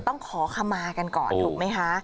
ต้องขอคำมากันก่อนถูกไหมคะ